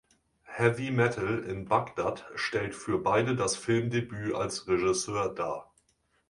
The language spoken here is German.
Heavy Metal in Baghdad stellt für beide das Filmdebüt als Regisseur dar.